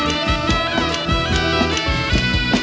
กลับไปที่นี่